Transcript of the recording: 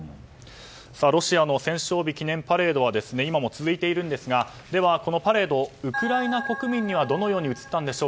ロシアの戦勝日記念パレードは今も続いているんですがこのパレードウクライナ国民にはどのように映ったか。